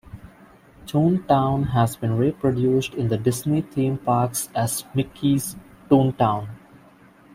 Toontown has been reproduced in the Disney theme parks as Mickey's Toontown.